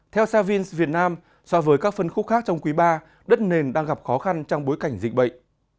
theo savins việt nam so với các phân khúc khác trong quý ba đất nền đang gặp khó khăn trong bối cảnh dịch bệnh